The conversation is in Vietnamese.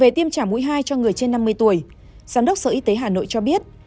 về tiêm trả mũi hai cho người trên năm mươi tuổi giám đốc sở y tế hà nội cho biết